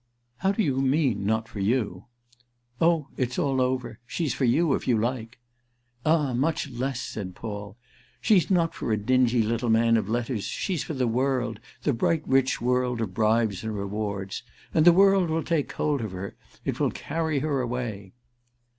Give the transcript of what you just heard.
"How do you mean, not for you?" "Oh it's all over—she's for you, if you like." "Ah much less!" said Paul. "She's not for a dingy little man of letters; she's for the world, the bright rich world of bribes and rewards. And the world will take hold of her—it will carry her away."